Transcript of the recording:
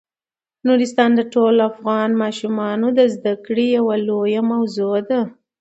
نورستان د ټولو افغان ماشومانو د زده کړې یوه لویه موضوع ده.